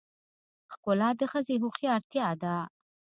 ښکلا د ښځې هوښیارتیا ده .